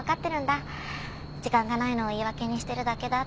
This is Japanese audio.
時間がないのを言い訳にしてるだけだって。